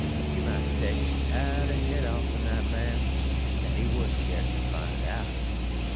You mout take an' tah de head off'n dat man an' he wouldn't scasely fine it out.